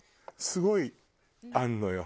すごいあるのよ。